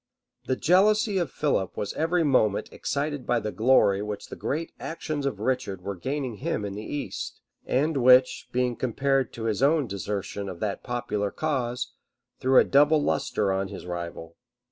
The jealousy of Philip was every moment excited by the glory which the great actions of Richard were gaining him in the east, and which, being compared to his own desertion of that popular cause, threw a double lustre on his rival.